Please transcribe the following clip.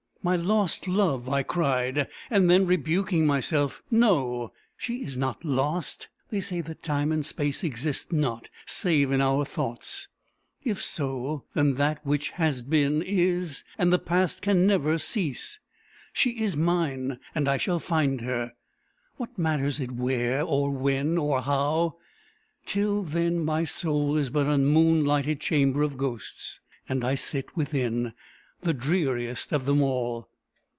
"My lost love!" I cried; and then, rebuking myself, "No; she is not lost. They say that Time and Space exist not, save in our thoughts. If so, then that which has been, is, and the Past can never cease. She is mine, and I shall find her what matters it where, or when, or how? Till then, my soul is but a moon lighted chamber of ghosts; and I sit within, the dreariest of them all.